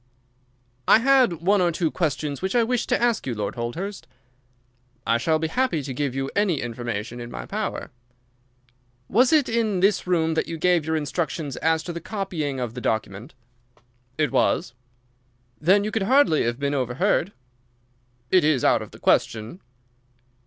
"I had one or two questions which I wished to ask you, Lord Holdhurst." "I shall be happy to give you any information in my power." "Was it in this room that you gave your instructions as to the copying of the document?" "It was." "Then you could hardly have been overheard?" "It is out of the question."